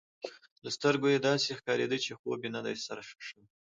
له سترګو يې داسي ښکارېدل، چي خوب یې نه دی سر شوی.